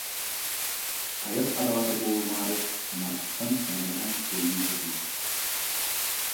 Айах адаҕата буолумаары санаатыттан көмөлөһөн үлэлии сатыыр.